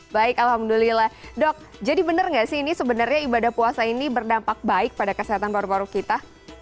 baik alhamdulillah dok jadi benar nggak sih ini sebenarnya ibadah puasa ini berdampak baik pada kesehatan paru paru kita